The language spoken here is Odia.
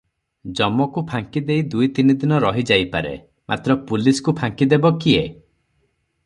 ଯମକୁ ଫାଙ୍କିଦେଇ ଦୁଇ ତିନିଦିନ ରହିଯାଇପାରେ; ମାତ୍ର ପୁଲିସ୍କୁ ଫାଙ୍କିଦେବ କିଏ?